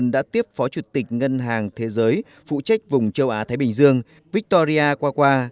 đã tiếp phó chủ tịch ngân hàng thế giới phụ trách vùng châu á thái bình dương victoria qua